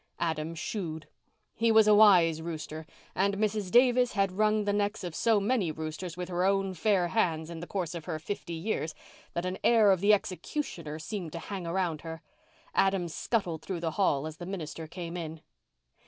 Adam shooed. He was a wise rooster and Mrs. Davis had wrung the necks of so many roosters with her own fair hands in the course of her fifty years that an air of the executioner seemed to hang around her. Adam scuttled through the hall as the minister came in.